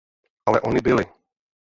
Ale ony byly!